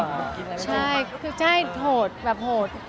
อ๋อไม่กินอะไรไม่ถูกป่ะคือใช่โหดแบบโหด